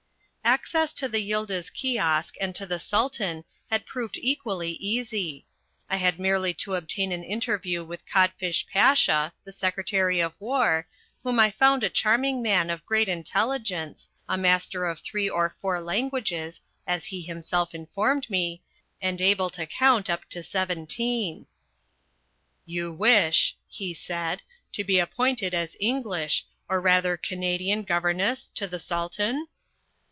Access to the Yildiz Kiosk and to the Sultan had proved equally easy. I had merely to obtain an interview with Codfish Pasha, the Secretary of War, whom I found a charming man of great intelligence, a master of three or four languages (as he himself informed me), and able to count up to seventeen. "You wish," he said, "to be appointed as English, or rather Canadian governess to the Sultan?"